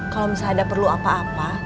kalau misalnya ada perlu apa apa